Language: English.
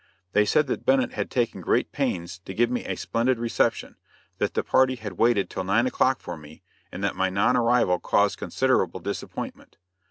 They said that Bennett had taken great pains to give me a splendid reception, that the party had waited till nine o'clock for me, and that my non arrival caused considerable disappointment.